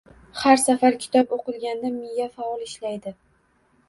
Har safar kitob o‘qilganda miya faol ishlaydi.